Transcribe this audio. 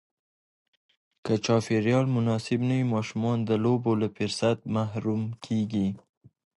که چاپېریال مناسب نه وي، ماشومان د لوبو له فرصت محروم کېږي.